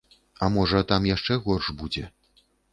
А можа, там яшчэ горш будзе?